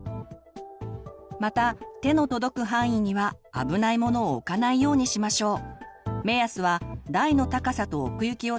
また手の届く範囲には危ないものを置かないようにしましょう。